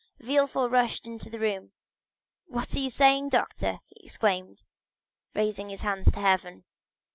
Villefort rushed into the room. "What are you saying, doctor?" he exclaimed, raising his hands to heaven.